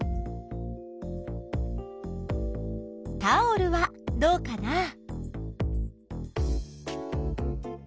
タオルはどうかな？